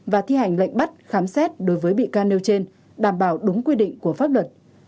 và thi hành lệnh bắt khám xét đối với bị can nêu trên đảm bảo đúng quy định của pháp luật